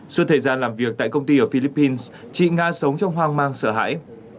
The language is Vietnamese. suốt thời gian làm việc tại công ty ở philippines chị nga sống trong hoang mang sợ hãi